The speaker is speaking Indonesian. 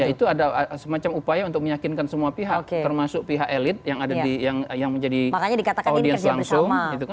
itu ada semacam upaya untuk meyakinkan semua pihak termasuk pihak elit yang menjadi audiens langsung